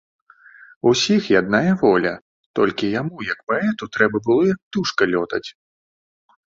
Усіх яднае воля, толькі яму як паэту трэба было, як птушка, лётаць.